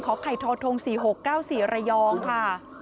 ของไข่ธรทง๔๖๙๔ระยองค่ะ